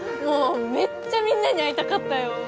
もうめっちゃみんなに会いたかったよ！